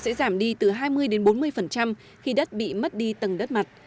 sẽ giảm đi từ hai mươi bốn mươi khi đất bị mất đi tầng đất mặt